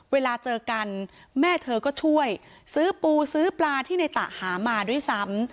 เวลาเจอกันแม่เธอก็ช่วยซื้อปูซื้อปลาที่ในตะหามาด้วยซ้ำ